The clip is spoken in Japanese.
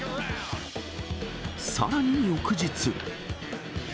さらに翌日。